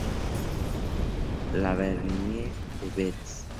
La Bernerie-en-Retz